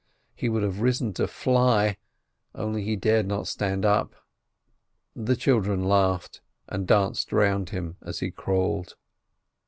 He would have risen to fly, only he dared not stand up. The children laughed and danced round him as he crawled.